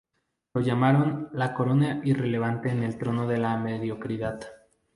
Lo llamaron "La corona irrelevante en el trono de la mediocridad".